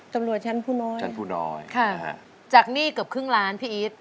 ตำรวจชั้นผู้น้อย